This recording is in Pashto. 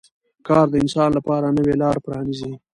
کار د انسان لپاره نوې لارې پرانیزي